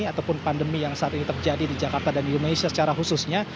ataupun pandemi yang saat ini terjadi di jakarta dan di indonesia secara khususnya